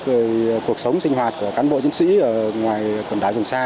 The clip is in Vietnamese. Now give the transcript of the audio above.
về cuộc sống sinh hoạt của cán bộ chiến sĩ ở ngoài quần đảo trường sa